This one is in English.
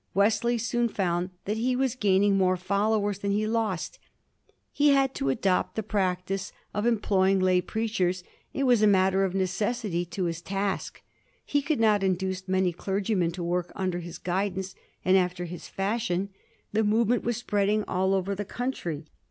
Wesley soon found that he was gain ing more followers than he had lost. He had to adopt the practice of employing lay preachers; it was a matter of necessity to his task. He could not induce many clergy men to work under his guidance and after his fashion. The movement was spreading all over the country.